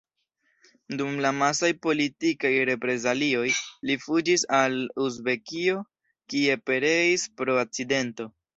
Dum la amasaj politikaj reprezalioj li fuĝis al Uzbekio, kie pereis pro akcidento.